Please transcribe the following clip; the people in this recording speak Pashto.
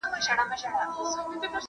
تاريخ موږ ته هويت راکوي.